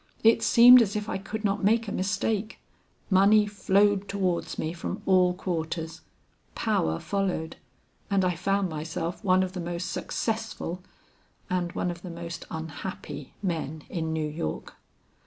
It seemed as if I could not make a mistake; money flowed towards me from all quarters; power followed, and I found myself one of the most successful and one of the most unhappy men in New York.